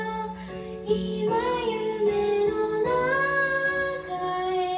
「今夢の中へ」